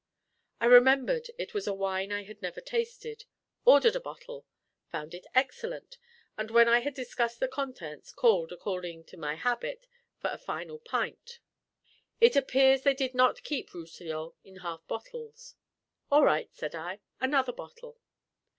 I remembered it was a wine I had never tasted, ordered a bottle, found it excellent, and when I had discussed the contents, called (according to my habit) for a final pint. It appears they did not keep Roussillon in half bottles. "All right," said I. "Another bottle."